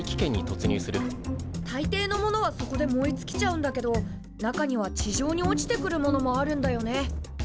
たいていのものはそこで燃えつきちゃうんだけど中には地上に落ちてくるものもあるんだよね。